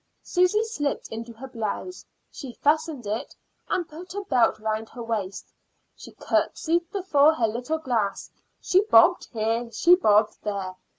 Susy slipped into her blouse. She fastened it; she put a belt round her waist. She curtsied before her little glass. She bobbed here; she bobbed there.